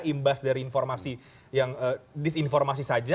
imbas dari informasi yang disinformasi saja